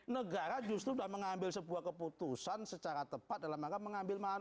negara justru sudah mengambil sebuah keputusan secara tepat dalam rangka mengambil manfaat